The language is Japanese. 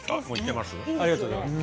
ありがとうございます。